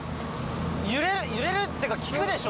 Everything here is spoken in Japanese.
揺れる揺れるっていうかきくでしょ？